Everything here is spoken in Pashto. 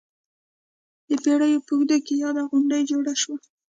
د پېړیو په اوږدو کې یاده غونډۍ جوړه شوه.